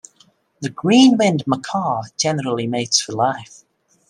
The green-winged macaw generally mates for life.